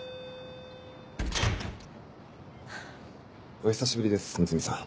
お久しぶりです睦美さん。